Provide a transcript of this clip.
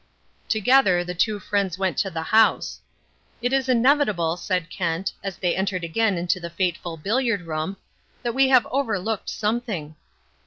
Together the two friends went to the house. "It is inevitable," said Kent, as they entered again the fateful billiard room, "that we have overlooked something."